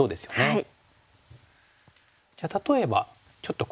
はい。